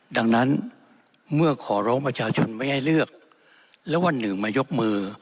ดังนั้นเมื่อขอร้องประชาชนไม่ให้เลือกแล้ววันหนึ่งมายกมือ